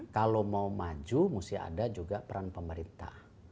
kalau mau maju mesti ada juga peran pemerintah